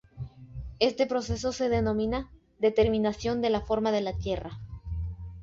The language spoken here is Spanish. Este proceso se denomina "determinación de la forma de la Tierra".